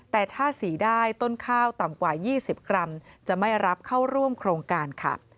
แต่ถ้าสีได้ต้นข้าวต่ำกว่า๒๐กรัมจะไม่รับเข้าร่วมโครงการค่ะ